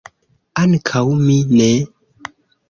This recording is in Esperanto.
Ankaŭ mi ne.